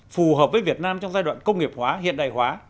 phù hợp với việt nam trong giai đoạn công nghiệp hóa hiện đại hóa